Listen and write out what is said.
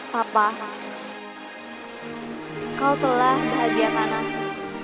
papa kau telah bahagia sama aku